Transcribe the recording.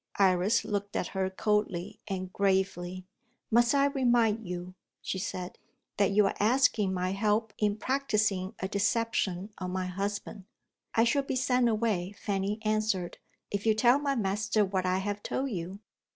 Iris looked at her coldly and gravely. "Must I remind you," she said, "that you are asking my help in practicing a deception on my husband?" "I shall be sent away," Fanny answered, "if you tell my master what I have told you."